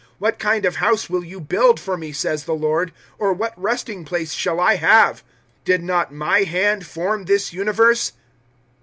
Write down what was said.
What kind of house will you build for Me, says the Lord, or what resting place shall I have? 007:050 Did not My hand form this universe.'